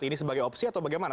ini sebagai opsi atau bagaimana